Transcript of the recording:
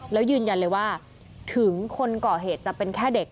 แล้วยืนยันเลยว่าถึงคนก่อเหตุจะเป็นแค่เด็ก